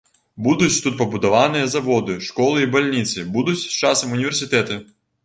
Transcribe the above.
Будуць тут пабудаваныя заводы, школы і бальніцы, будуць з часам універсітэты.